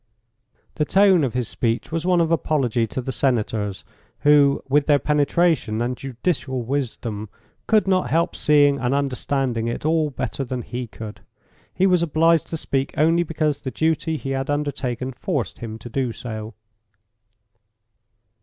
The tone of his speech was one of apology to the Senators, who, with their penetration and judicial wisdom, could not help seeing and understanding it all better than he could. He was obliged to speak only because the duty he had undertaken forced him to do so.